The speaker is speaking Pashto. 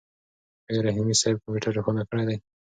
آیا رحیمي صیب کمپیوټر روښانه کړی دی؟